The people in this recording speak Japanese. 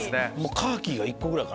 カーキが１個ぐらいかな。